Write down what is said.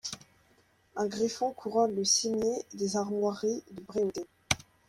Un griffon couronne le cimier des armoiries de Bréauté.